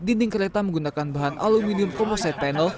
dinding kereta menggunakan bahan aluminium komposet panel